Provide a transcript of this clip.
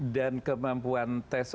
dan kemampuan tes